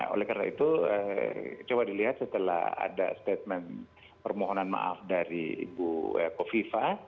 oleh karena itu coba dilihat setelah ada statement permohonan maaf dari ibu kofifa